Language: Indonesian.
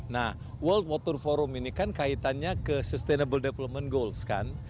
nah world water forum ini kan kaitannya ke sustainable development goals kan